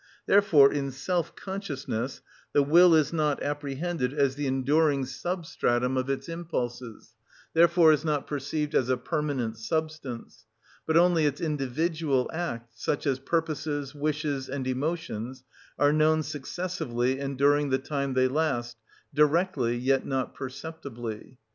Therefore, in self consciousness the will is not apprehended as the enduring substratum of its impulses, therefore is not perceived as a permanent substance; but only its individual acts, such as purposes, wishes, and emotions, are known successively and during the time they last, directly, yet not perceptibly.